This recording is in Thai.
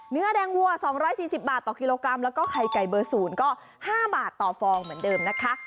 เนื้อแดงวัว๒๔๐บาทต่อกิโลกรัมแล้วก็ไข่ไก่เบอร์๐ก็๕บาทต่อฟองเหมือนเดิมนะคะ